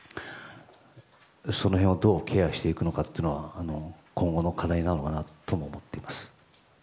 その辺をどうケアしていくのかが今後の課題なのかなと思っております。